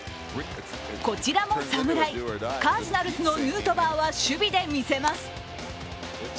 こちらも侍、カージナルスのヌートバーは守備で見せます。